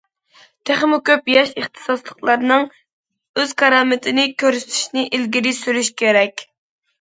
تېخىمۇ كۆپ ياش ئىختىساسلىقلارنىڭ ئۆز كارامىتىنى كۆرسىتىشىنى ئىلگىرى سۈرۈش كېرەك.